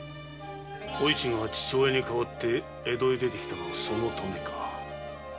おいちが父親に代わって江戸へ出て来たのもそのためか。